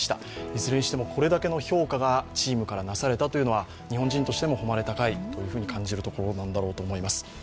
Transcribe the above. いずれにしてもこれだけの評価がチームからなされたということは日本人としても誉れ高いと感じるところなんだと思います。